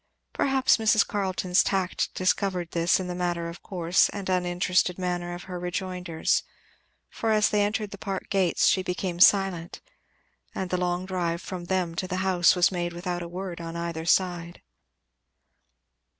Perhaps Mrs. Carleton's tact discovered this in the matter of course and uninterested manner of her rejoinders; for as they entered the park gates she became silent, and the long drive from them to the house was made without a word on either side.